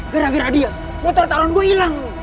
gara gara dia motor tahun gue ilang